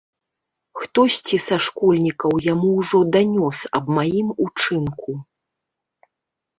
Хтосьці са школьнікаў яму ўжо данёс аб маім учынку.